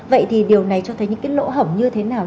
vậy thì điều này cho thấy những cái lỗ hổng như thế nào